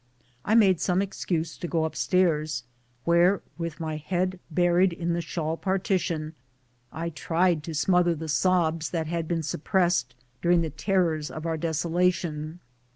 I made some excuse to go up stairs, where, with my head buried in the shawl partition, I tried to smother the sobs that had been suppressed during the terrors of our desolation.